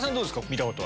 見たこと。